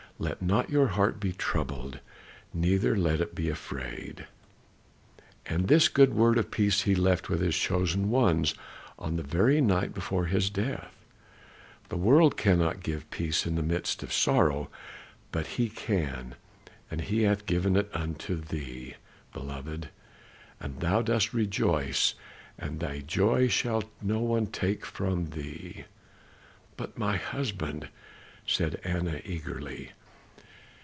Let not your heart be troubled, neither let it be afraid.' And this good word of peace he left with his chosen ones on the very night before his death. The world cannot give peace in the midst of sorrow, but he can, and he hath given it unto thee, beloved. And thou dost rejoice, and thy joy shall no one take from thee." "But my husband?" said Anna eagerly.